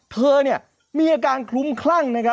เธอมีอาการคลุ้มคลั่งนะครับ